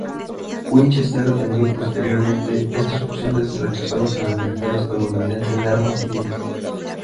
Winchester vendió posteriormente estos fusiles rechazados en el mercado estadounidense de armas civiles.